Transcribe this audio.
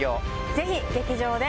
ぜひ劇場で。